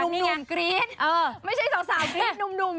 หนุ่มกรี๊ดไม่ใช่สาวกรี๊ดหนุ่ม